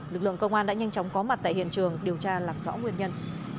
lực lượng công an đã nhanh chóng có mặt tại hiện trường điều tra làm rõ nguyên nhân